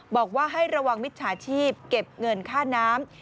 บอกว่าให้ระวังมิจฉาชีพเก็บเงินค่าน้ำ